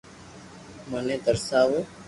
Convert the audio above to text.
مني ترساوُ